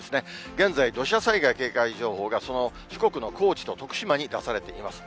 現在、土砂災害警戒情報がその四国の高知と徳島に出されています。